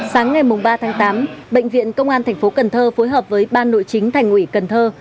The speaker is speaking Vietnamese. sáng ngày ba tháng tám bệnh viện công an thành phố cần thơ phối hợp với ban nội chính thành ủy cần thơ